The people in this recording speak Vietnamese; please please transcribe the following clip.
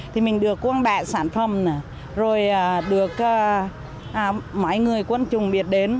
thì mình được quân đại sản phẩm rồi được mấy người quân chủng biết đến